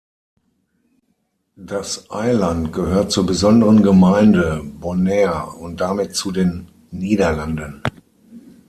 Das Eiland gehört zur „Besonderen Gemeinde“ Bonaire und damit zu den Niederlanden.